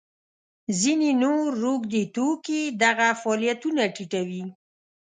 ځینې نور روږدي توکي دغه فعالیتونه ټیټوي.